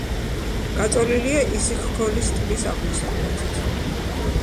გაწოლილია ისიქ-ქოლის ტბის აღმოსავლეთით.